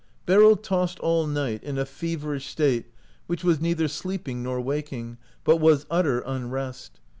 Beryl tossed all night in a feverish state which was neither sleeping nor waking, but was utter unrest.